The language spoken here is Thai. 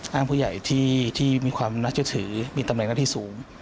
เอางผู้ใหญ่ที่มีความรัชอยิทธิ์มีตำแหน่งหน้าที่สูง